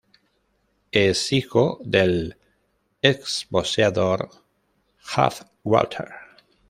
Es hijo de l exboxeador Job Walters.